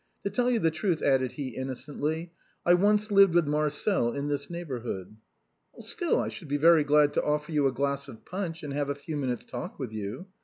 To tell you the truth," added he, innocently, " I once lived with Marcel in this neighborhood." " Still I should be very glad to offer you a glass of punch, and have a few minutes' talk with you.